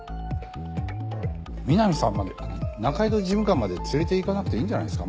みなみさんまで仲井戸事務官まで連れていかなくていいんじゃないですか。